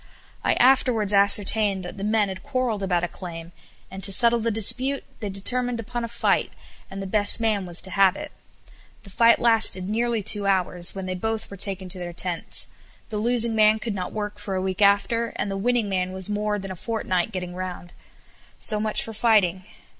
I afterwards ascertained that the men had quarrelled about a claim, and to settle the dispute they determined upon a fight, and the best man was to have it. The fight lasted nearly two hours, when they both were taken to their tents the losing man could not work for a week after, and the winning man was more than a fortnight getting round. So much for fighting.